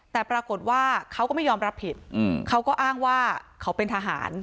แต่ปรากฏว่าเขาก็ไม่ยอมรับผิดเขาก็อ้างว่าเขาเป็นทหาร